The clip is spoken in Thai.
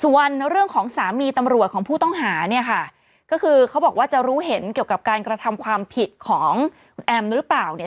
ส่วนเรื่องของสามีตำรวจของผู้ต้องหาเนี่ยค่ะก็คือเขาบอกว่าจะรู้เห็นเกี่ยวกับการกระทำความผิดของคุณแอมหรือเปล่าเนี่ย